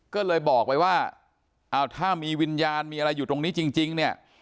ก็เลยบอกไปว่าเอาถ้ามีวิญญาณมีอะไรอยู่ตรงนี้จริงเนี่ย